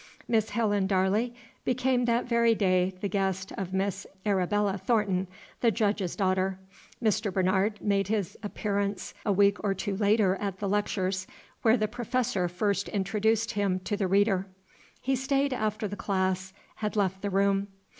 Miss Helen Darley became that very day the guest of Miss Arabella Thornton, the Judge's daughter. Mr. Bernard made his appearance a week or two later at the Lectures, where the Professor first introduced him to the reader. He stayed after the class had left the room.